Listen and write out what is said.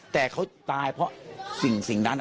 แต่เขาตายเพราะสิ่งนั้น